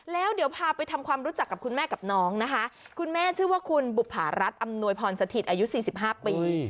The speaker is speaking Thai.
แล้วเดี๋ยวพาไปทำความรู้จักกับคุณแม่กับน้องนะคะคุณแม่ชื่อว่าคุณบุภารัฐอำนวยพรสถิตอายุ๔๕ปี